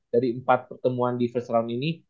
dari empat pertemuan di first round ini